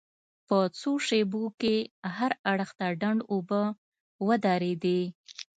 په څو شېبو کې هر اړخ ته ډنډ اوبه ودرېدې.